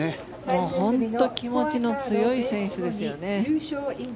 もう本当に気持ちの強い選手ですよね。